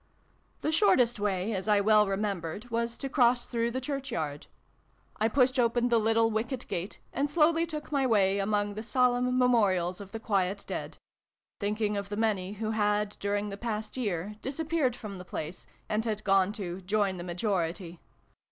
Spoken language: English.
The shortest way, as I well remembered, was to cross through the churchyard. I pushed open the little wicket gate and slowly took my way among the solemn memorials of the quiet dead, thinking of the many who had, during the past year, disappeared from the place, and had gone to 'join the majority.'